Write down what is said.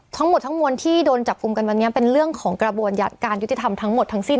ทั้งหมดทั้งมวลที่โดนจับกลุ่มกันวันนี้เป็นเรื่องของกระบวนการยุติธรรมทั้งหมดทั้งสิ้น